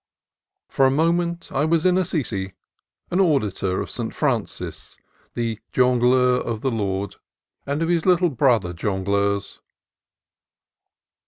For a moment I was in Assisi, an auditor of St. Francis, "the Jongleur of the Lord," and of his little brother jongleurs.